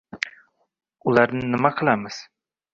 ularni nima qilamiz?.